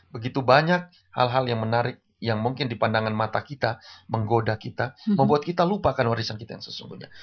begitu banyak hal hal yang menarik yang mungkin dipandangkan mata kita menggoda kita membuat kita lupakan warisan kita yang sesungguhnya